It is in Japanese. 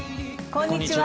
こんにちは。